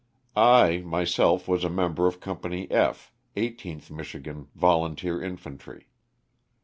I, myself, was a member of Company F, 18th Mich igan Volunteer Infantry.